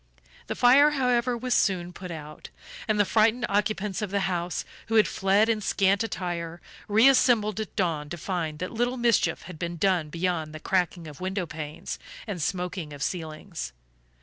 The fire, however, was soon put out, and the frightened occupants of the house, who had fled in scant attire, reassembled at dawn to find that little mischief had been done beyond the cracking of window panes and smoking of ceilings.